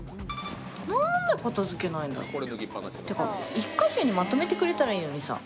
１か所にまとめてくれたらいいのにさ